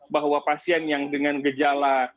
bahwa pasien yang dengan gejala